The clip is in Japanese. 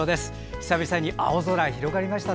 久々に青空が広がりました。